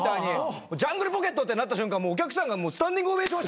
ジャングルポケットってなった瞬間お客さんがもうスタンディングオベーション。